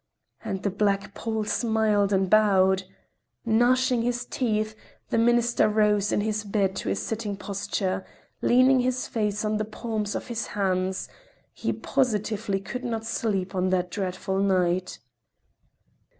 and the black pole smiled and bowed. Gnashing his teeth, the Minister rose in his bed to a sitting posture, leaning his face on the palms of his hands—he positively could not sleep on that dreadful night.